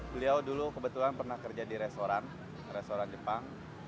beliau dulu kebetulan pernah kerja di restoran restoran jepang